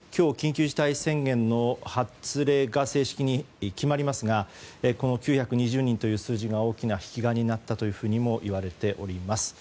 今日、緊急事態宣言の発令が正式に決まりますがこの９２０人という数字が大きな引き金になったともいわれております。